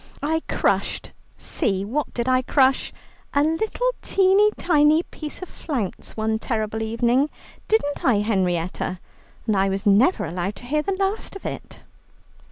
I crushed see, what did I crush? a little teeny tiny piece of flounce one terrible evening; didn't I, Henrietta? And I was never allowed to hear the last of it."